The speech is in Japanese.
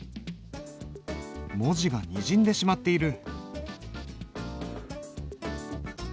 文字がにじんでしまっている。